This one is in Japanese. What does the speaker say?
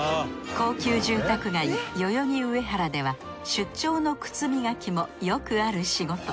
高級住宅街代々木上原では出張の靴磨きもよくある仕事。